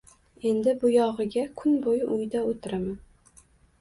Endi buyog`iga kun bo`yi uyda o`tiraman